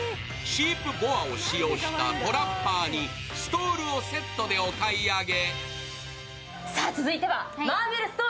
シープボアを使用したトラッパーにストールをセットでお買い上げ。